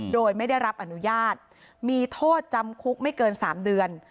โดยไม่ได้รับอนุญาตมีโทษจำคุกไม่เกิน๓เดือน